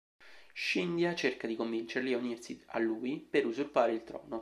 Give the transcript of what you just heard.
Scindia cerca di convincerli a unirsi a lui per usurpare il trono.